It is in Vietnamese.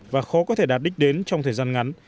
và khó có thể đạt đích đến trong thời gian ngắn